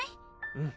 うん。